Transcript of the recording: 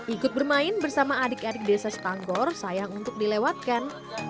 ikut bermain bersama adik adik desa setanggor sayang untuk dilewatkan